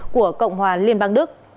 của cộng hòa liên bang đức